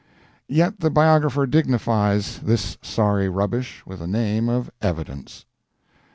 Yet the biographer dignifies this sorry rubbish with the name of "evidence."